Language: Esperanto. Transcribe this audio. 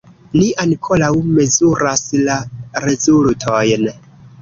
Ni ankoraŭ mezuras la rezultojn.